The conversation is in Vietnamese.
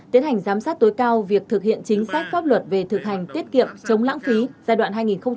tiến hành giám sát tối cao việc thực hiện chính sách pháp luật về thực hành tiết kiệm chống lãng phí giai đoạn hai nghìn một mươi sáu hai nghìn hai mươi